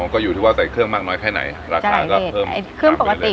อ๋อก็อยู่ที่ว่าใส่เครื่องมากน้อยแค่ไหนราคาก็เพิ่มไอ้เครื่องปกติ